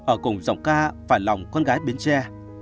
ở cùng giọng ca phải lòng con gái biến tre